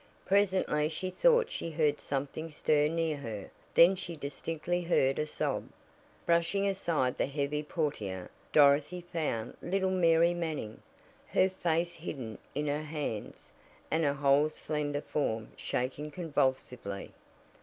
Presently she thought she heard something stir near her, then she distinctly heard a sob. Brushing aside the heavy portière, Dorothy found little Mary Manning, her face hidden in her hands, and her whole slender form shaking convulsively.